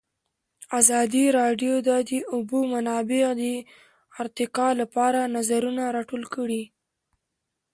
ازادي راډیو د د اوبو منابع د ارتقا لپاره نظرونه راټول کړي.